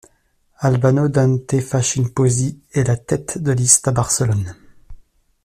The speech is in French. Albano Dante Fachin Pozzi est le tête de liste à Barcelone.